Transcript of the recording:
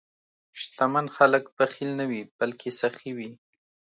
شتمن خلک بخیل نه وي، بلکې سخي وي.